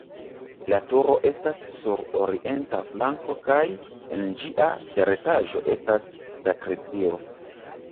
La turo estas sur orienta flanko kaj en ĝia teretaĝo estas sakristio.